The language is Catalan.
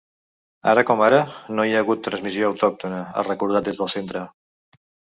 Ara com ara, no hi ha hagut transmissió autòctona, han recordat des del centre.